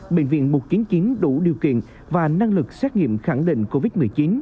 bệnh viện một trăm chín đủ điều kiện và năng lực xét nghiệm khẳng định covid một mươi chín